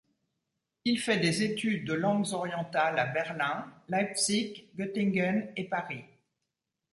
Il fait des études des langues orientales à Berlin, Leipzig, Göttingen et Paris.